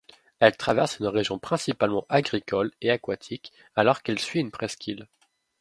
Elle traverse une région principalement agricole, et aquatique, alors qu'elle suit une presqu'île.